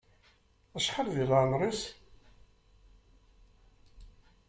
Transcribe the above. Acḥal deg leɛmer-is?